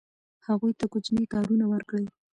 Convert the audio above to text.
هغوی ته کوچني کارونه ورکړئ.